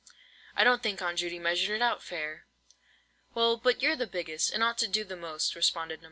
"I don't think Aunt Judy measured it out fair!" "Well, but you're the biggest, and ought to do the most," responded No.